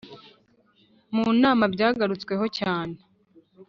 munama byagarutsweho cyane. ,